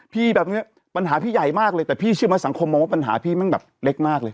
พี่แบบนี้ปัญหาพี่ใหญ่มากเลยแต่พี่เชื่อไหมสังคมมองว่าปัญหาพี่แม่งแบบเล็กมากเลย